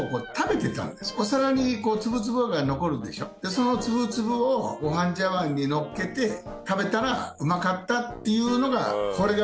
その粒々をご飯茶碗にのっけて食べたらうまかったっていうのがこれが